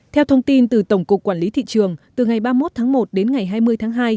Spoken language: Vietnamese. theo thông tin từ tổng cục quản lý thị trường từ ngày ba mươi một tháng một đến ngày hai mươi tháng hai